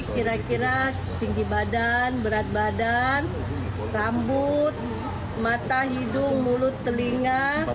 kira kira tinggi badan berat badan rambut mata hidung mulut telinga